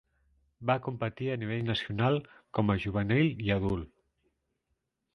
Va competir a nivell nacional com a juvenil i adult.